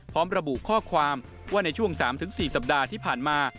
พร้อมระบุข้อความว่าในช่วง๓๔สัปดาห์ที่ผ่านมา